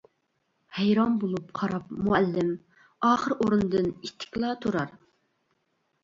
ھەيران بولۇپ قاراپ مۇئەللىم ئاخىرى ئورنىدىن ئىتتىكلا تۇرار.